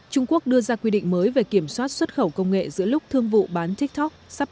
trung quốc đưa ra quy định mới về kiểm soát xuất khẩu công nghệ giữa lúc thương vụ bán tiktok sắp